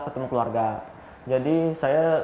ketemu keluarga jadi saya